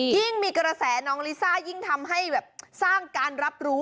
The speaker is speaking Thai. ยิ่งมีกระแสน้องลิซ่ายิ่งทำให้แบบสร้างการรับรู้